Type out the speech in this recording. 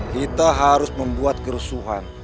kita harus membuat gerusuhan